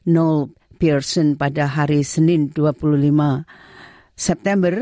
noel pearson pada hari senin dua puluh lima september